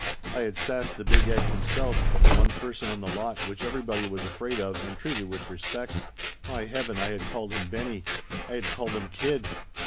I had sassed the Big Egg him self, the one person on the lot which everybody was afraid of and treated with respect. My heaven, I had called him Benny! I had called him kid!